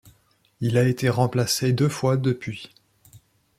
Il a été remplacé deux fois depuis.